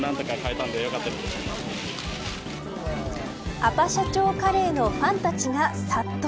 アパ社長カレーのファンたちが殺到。